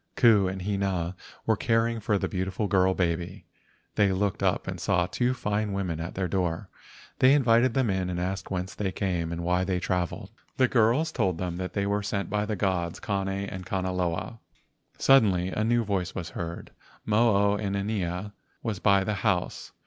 Ku and Hina were caring for a beautiful girl baby. They looked up and saw two fine women at their door. They invited them in and asked whence they came and why they travelled. The girls told them they were sent by the gods Kane and Kanaloa. Suddenly a new voice was heard. Mo o inanea was by the house.